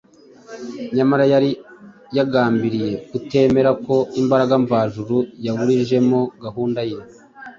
nyamara yari yagambiriye kutemera ko imbaraga mvajuru yaburijemo gahunda ye